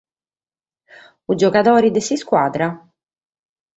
Unu giogadore de s'iscuadra?